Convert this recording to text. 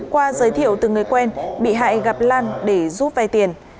qua giới thiệu từ người quen bị hại gặp lan để giúp vay tiền